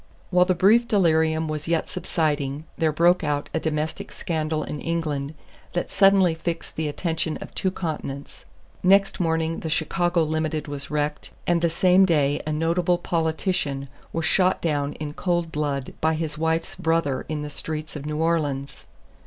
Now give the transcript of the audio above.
While the brief delirium was yet subsiding there broke out a domestic scandal in England that suddenly fixed the attention of two continents. Next morning the Chicago Limited was wrecked, and the same day a notable politician was shot down in cold blood by his wife's brother in the streets of New Orleans.